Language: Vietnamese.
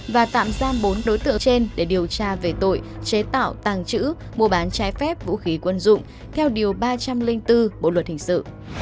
và tạm giam bốn đối tượng trên để điều tra về tội chế tạo tàng trữ mua bán trái phép vũ khí quân dụng theo điều ba trăm linh bốn bộ luật hình sự